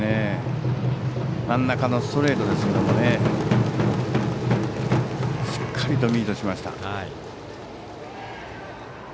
真ん中のストレートですけどもしっかりとミートしました。